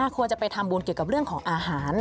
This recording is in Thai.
ควรจะไปทำบุญเกี่ยวกับเรื่องของอาหาร